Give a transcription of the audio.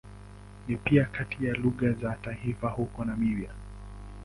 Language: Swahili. Ni pia kati ya lugha za taifa huko Namibia.